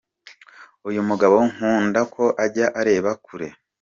Uyu mugabo nkunda ko ajya areba kure.